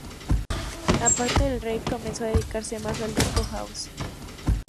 Aparte del rave comenzó a dedicarse más al disco house.